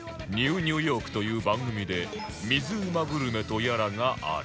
「『ＮＥＷ ニューヨーク』という番組で水うまグルメとやらがある」